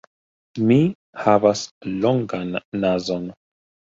Mi havas longan nazon.